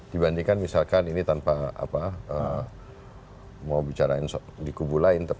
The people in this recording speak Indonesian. dibandingkan misalkan ini tanpa mau bicarain di kubu lain